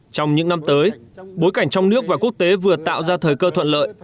trong những năm tới bối cảnh trong nước và quốc tế vừa tạo ra thời cơ thuận lợi